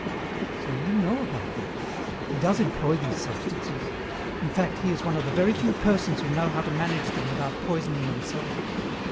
"So you know about that! He does employ these substances. In fact, he is one of the very few persons who know how to manage them without poisoning themselves.